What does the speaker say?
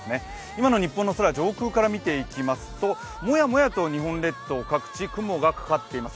今の日本の空上空から見ていきますともやもやと日本列島各地、雲がかかっています。